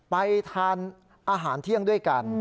ไปทานอาหารเที่ยงด้วยกัน